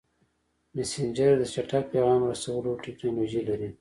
مسېنجر د چټک پیغام رسولو ټکنالوژي لري.